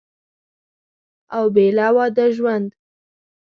او بېله واده ژوند